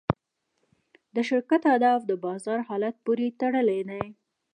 د شرکت اهداف د بازار حالت پورې تړلي دي.